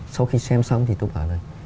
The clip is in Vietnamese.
sau khi xem xong thì tôi bảo là